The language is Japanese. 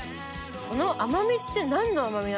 この甘みって何の甘み？